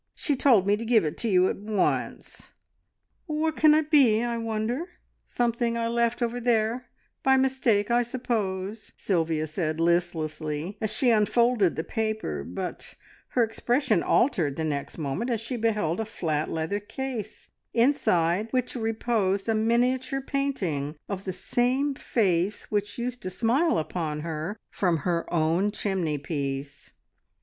She told me to give it to you at once." "What can it be, I wonder? something I left over there by mistake, I suppose," Sylvia said listlessly, as she unfolded the paper; but her expression altered the next moment as she beheld a flat leather case, inside which reposed a miniature painting of the same face which used to smile upon her from her own chimney piece.